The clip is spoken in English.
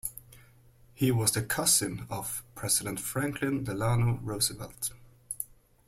He was the cousin of President Franklin Delano Roosevelt.